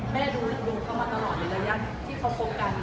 แม่ดูเขามาตลอดในระยะที่เขาคบกัน